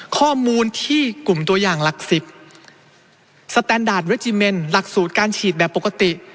ข้อมูลที่กลุ่มตัวอย่างหลักสิบหลักสูตรการฉีดแบบปกติ